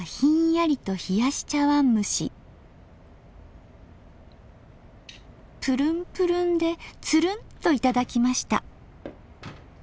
プルンプルンでツルンと頂きました。